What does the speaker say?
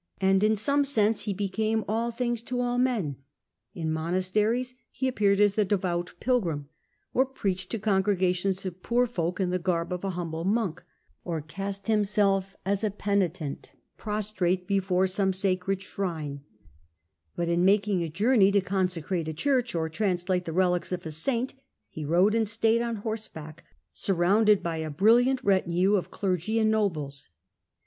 And in some sense he became all things to all men; in monasteries he ap peared as the devout pilgrim, or preached to congre gations of poor folk in the garb of a humble monk, or cast himself as a penitent prostrate before some sacred Digitized by VjOOQIC 28 HiLDRBRAND shrine ; but in making a journey to consecrate a church, or translate the relics of a saint, he rode in state on horseback, surrounded by a brilliant retinue of clergy and nobles.